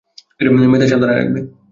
মেয়েদের সাবধানে রাখবে।